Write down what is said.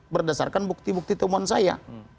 berdasarkan bukti bukti temuan saya